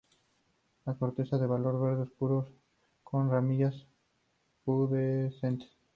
La corteza de color verde oscuro, con ramillas pubescentes.